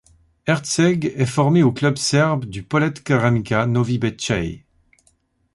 Erceg est formé au club serbe du Polet Keramika Novi Bečej.